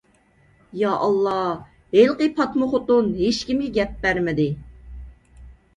يائاللا، ھېلىقى پاتمىخوتۇن ھېچكىمگە گەپ بەرمىدى.